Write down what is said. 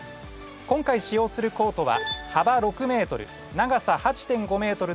今回使用するコートははば６ｍ長さ８．５ｍの長方形です。